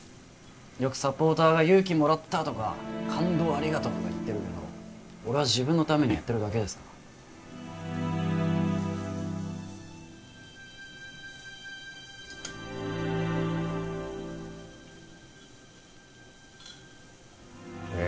よくサポーターが勇気もらったとか感動をありがとうとか言ってるけど俺は自分のためにやってるだけですからねえ